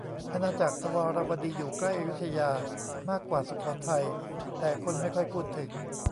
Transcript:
อาณาจักรทวาราวดี อยู่ใกล้อยุธยามากกว่าสุโขทัย แต่คนไม่ค่อยพูดถึง